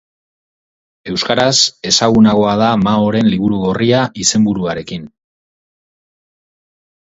Euskaraz, ezagunagoa da Maoren liburu gorria izenburuarekin.